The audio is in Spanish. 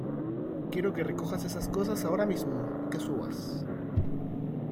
quiero que recojas esas cosas ahora mismo y que subas.